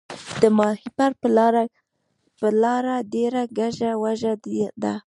د ماهیپر لاره ډیره کږه وږه ده